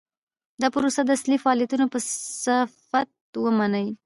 دا پروسه د اصلي فعالیتونو په صفت ومني.